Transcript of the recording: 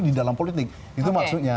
di dalam politik itu maksudnya